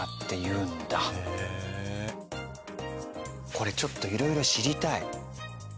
これちょっといろいろ知りたい。